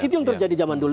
itu yang terjadi zaman dulu